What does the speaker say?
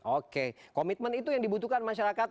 oke komitmen itu yang dibutuhkan masyarakat